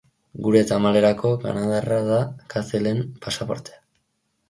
Gure tamalerako, kanadarra da Kathleenen pasaportea.